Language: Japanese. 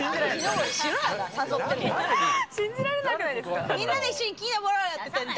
信じられなくないですか？